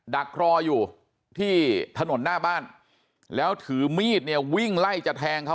ดักรออยู่ที่ถนนหน้าบ้านแล้วถือมีดเนี่ยวิ่งไล่จะแทงเขา